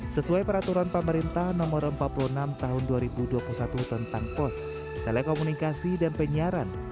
sesuai peraturan pemerintah nomor empat puluh enam tahun dua ribu dua puluh satu tentang pos telekomunikasi dan penyiaran